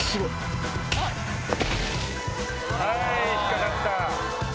はい引っかかった。